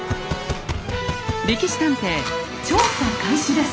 「歴史探偵」調査開始です。